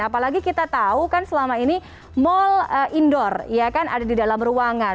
apalagi kita tahu kan selama ini mall indoor ya kan ada di dalam ruangan